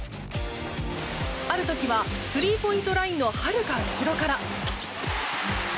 ある時はスリーポイントラインのはるか後ろから。